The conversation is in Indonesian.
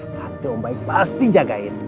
nanti om baik pasti jagain